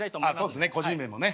そうですね個人名もね。